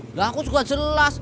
nah aku juga jelas